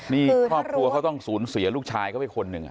นี่ครอบครัวเขาต้องสูญเสียลูกชายเขาไปคนหนึ่ง